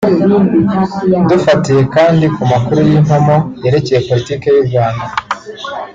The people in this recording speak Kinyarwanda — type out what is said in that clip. *Dufatiye kandi ku makuru y’impamo yerekeye politiki y’u Rwanda